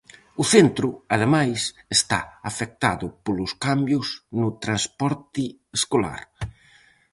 O centro, ademais, está afectado polos cambios no transporte escolar.